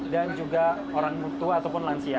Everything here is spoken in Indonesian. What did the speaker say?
dan juga orang tua ataupun lansia